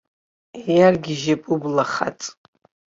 Иаргьежьп ублахаҵ.